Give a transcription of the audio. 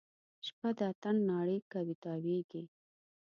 شپه د اتڼ نارې کوي تاویږي